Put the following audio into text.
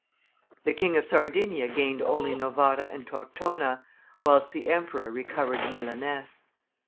The King of Sardinia gained only Novara and Tortona, whilst the emperor recovered Milaness.